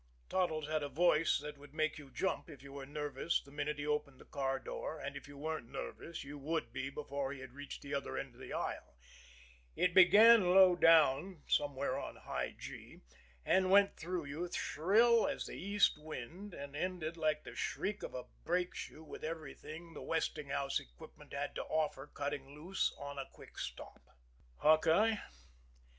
Toddles had a voice that would make you jump if you were nervous the minute he opened the car door, and if you weren't nervous you would be before he had reached the other end of the aisle it began low down somewhere on high G and went through you shrill as an east wind, and ended like the shriek of a brake shoe with everything the Westinghouse equipment had to offer cutting loose on a quick stop. Hawkeye?